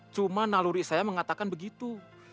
cuma naluri saya mengatakan begitu